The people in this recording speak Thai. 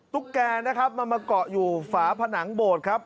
แกนะครับมันมาเกาะอยู่ฝาผนังโบสถ์ครับ